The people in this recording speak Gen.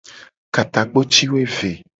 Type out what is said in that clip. Ka takpo ci wo eve.